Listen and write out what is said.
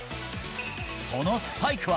そのスパイクは。